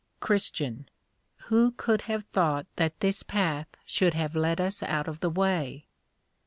_ CHR. Who could have thought that this Path should have led us out of the way?